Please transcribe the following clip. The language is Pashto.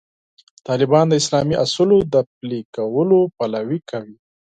طالبان د اسلامي اصولو د پلي کولو پلوي کوي.